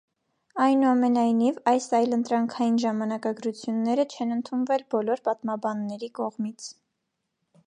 Այնուամենայնիվ, այս այլընտրանքային ժամանակագրությունները չեն ընդունվել բոլոր պատմաբանների կողմից։